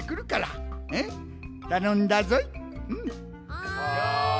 はい。